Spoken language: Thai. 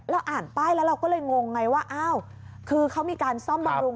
อ่านป้ายแล้วเราก็เลยงงไงว่าอ้าวคือเขามีการซ่อมบำรุง